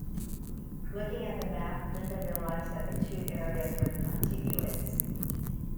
Looking at the map, Linda realised that the two areas were contiguous.